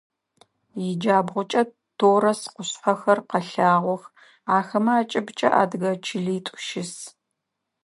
Иджабгъукӏэ Торос къушъхьэхэр къэлъагъох, ахэмэ акӏыбыкӏэ адыгэ чылитӏу щыс.